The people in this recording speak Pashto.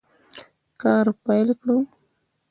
کار پیل کړ.